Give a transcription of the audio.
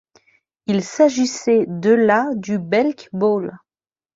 Il s'agissait de la du Belk Bowl.